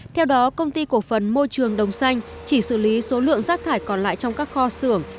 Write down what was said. theo đó công ty cổ phần môi trường đồng xanh chỉ xử lý số lượng rác thải còn lại trong các kho xưởng